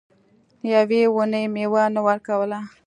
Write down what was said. یوې ونې میوه نه ورکوله.